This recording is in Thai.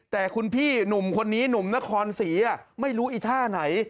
แต่คุณพี่หนุ่มคนนี้หนุ่มนครศรีไม่รู้อีท่าไหน